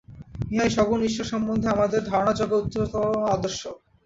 ইহাই সগুণ ঈশ্বর সম্বন্ধে আমাদের ধারণাযোগ্য উচ্চতম আদর্শ।